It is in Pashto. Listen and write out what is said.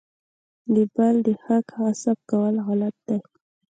د بل د حق غصب کول غلط دي.